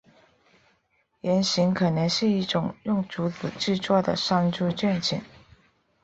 原型可能是一种用竹子制作的山猪陷阱。